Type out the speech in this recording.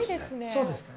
そうです。